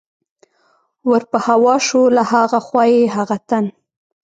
ور په هوا شو، له ها خوا یې هغه تن.